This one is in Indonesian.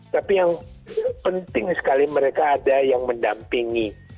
tapi yang penting sekali mereka ada yang mendampingi